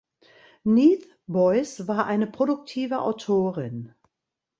Neith Boyce war eine produktive Autorin.